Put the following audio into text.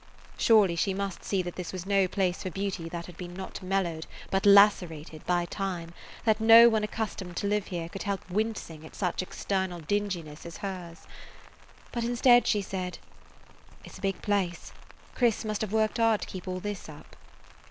Surely, she must see that this was no place for beauty that had been not mellowed, but lacerated, by time, that no one accustomed to live here could help wincing at such external dinginess as hers. But instead she said: "It 's a big place. Chris must have worked hard to keep all this up."